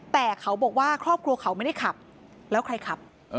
แต่เขาบอกว่าครอบครัวเขาไม่ได้ขับแล้วใครขับ